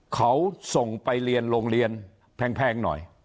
เขาส่งไปเรียนโรงเรียนแพงหน่อย